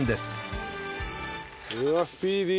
うわっスピーディー。